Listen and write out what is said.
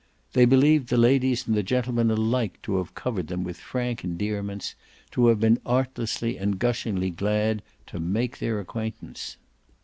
They believed the ladies and the gentlemen alike to have covered them with frank endearments, to have been artlessly and gushingly glad to make their acquaintance.